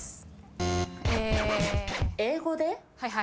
英語で？